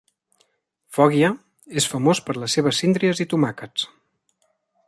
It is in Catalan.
Foggia és famós per les seves síndries i tomàquets.